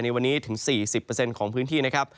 ในวันนี้ถึง๔๐ของพื้นที่